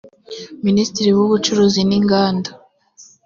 minisitiri w’ubucuruzi n’inganda